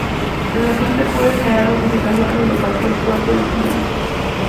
El agente puede generar notificaciones desde cualquier puerto disponible.